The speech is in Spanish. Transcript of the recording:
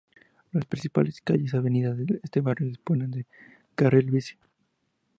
Las principales calles y avenidas de este barrio disponen de carril bici.